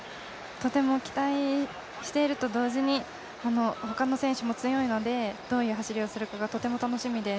とても期待していると同時に、他の選手も強いので、どういう走りをするのかがとても注目です。